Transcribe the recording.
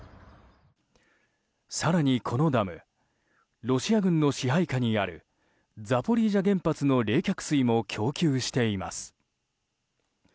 更に、このダムロシア軍の支配下にあるザポリージャ原発の冷却水も供給しています。